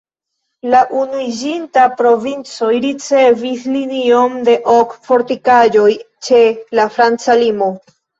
La Unuiĝintaj Provincoj ricevis linion de ok fortikaĵoj ĉe la franca limo.